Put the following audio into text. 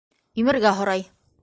«Имергә һорай!»